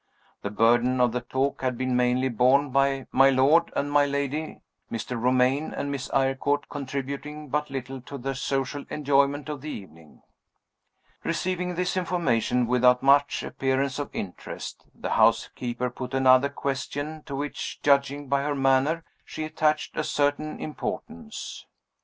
The burden of the talk had been mainly borne by my lord and my lady, Mr. Romayne and Miss Eyrecourt contributing but little to the social enjoyment of the evening. Receiving this information without much appearance of interest, the housekeeper put another question, to which, judging by her manner, she attached a certain importance.